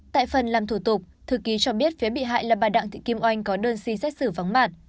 tại phần làm thủ tục thư ký cho biết phía bị hại là bà đặng thị kim oanh có đơn xin xét xử vắng mặt